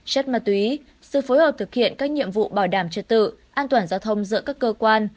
chất ma túy sự phối hợp thực hiện các nhiệm vụ bảo đảm trật tự an toàn giao thông giữa các cơ quan